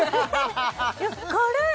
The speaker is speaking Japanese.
いや軽い！